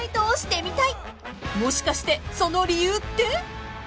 ［もしかしてその理由って］